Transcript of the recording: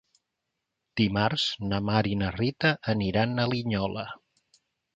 Dimarts na Mar i na Rita aniran a Linyola.